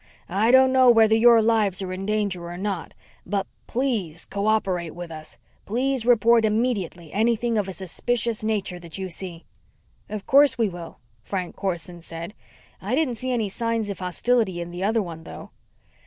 I don't know whether your lives are in danger or not, but please co operate with us. Please report immediately anything of a suspicious nature that you see." "Of course, we will," Frank Corson said. "I didn't see any signs of hostility in the other one, though."